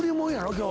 今日。